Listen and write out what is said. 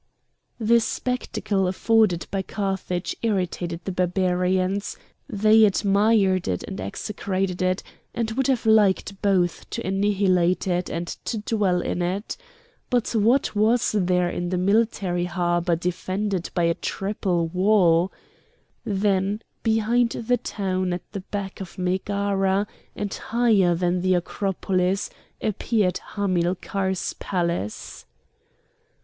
The spectacle afforded by Carthage irritated the Barbarians; they admired it and execrated it, and would have liked both to annihilate it and to dwell in it. But what was there in the Military Harbour defended by a triple wall? Then behind the town, at the back of Megara, and higher than the Acropolis, appeared Hamilcar's palace.